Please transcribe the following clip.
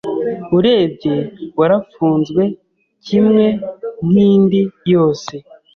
urebye warafunzwe cyimwe nkindi yose